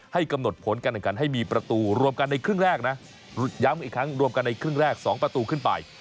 กำหนดผลการแข่งขันให้มีประตูรวมกันในครึ่งแรกนะย้ำอีกครั้งรวมกันในครึ่งแรก๒ประตูขึ้นไป